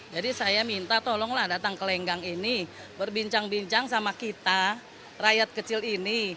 jadi saya minta tolonglah datang ke lenggang ini berbincang bincang sama kita rakyat kecil ini